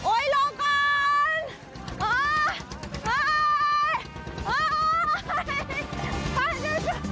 โอ๊ยรอก่อน